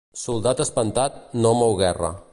Soldat espantat no mou guerra.